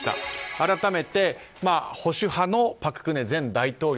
改めて保守派の朴槿惠前大統領。